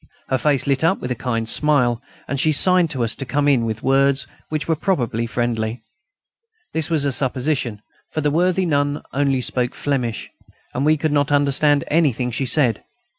Her face lit up with a kind smile, and she signed to us to come in, with words which were probably friendly. This was a supposition, for the worthy nun only spoke Flemish, and we could not understand anything she said.